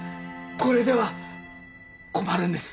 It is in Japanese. これでは困るんです。